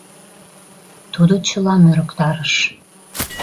Тудо чылам ӧрыктарыш.